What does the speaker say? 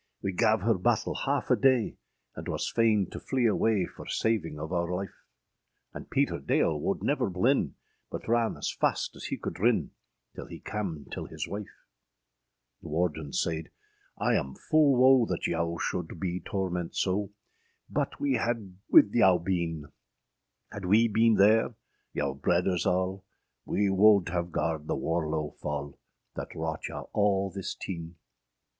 âWee gav her battel half a daye, And was faine to flee awaye For saving of oure lyfe; And Peter Dale wolde never blin, But ran as faste as he colde rinn, Till he cam till hys wyfe.â The Warden sayde, âI am ful woe That yow sholde bee torment soe, But wee had wyth yow beene! Had wee bene ther, yowr breders alle, Wee wolde hav garred the warlo falle, That wrought yow all thys teene.